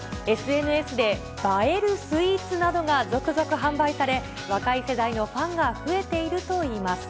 ＳＮＳで映えるスイーツなどが続々販売され、若い世代のファンが増えているといいます。